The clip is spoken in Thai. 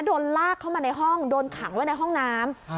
โดนลากเข้ามาในห้องโดนขังไว้ในห้องน้ำ